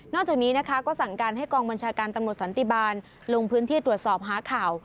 จากนี้นะคะก็สั่งการให้กองบัญชาการตำรวจสันติบาลลงพื้นที่ตรวจสอบหาข่าว